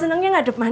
bentong gimbal german